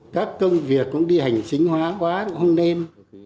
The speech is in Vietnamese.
các công việc cũng đi hành chính hóa quá cũng không nên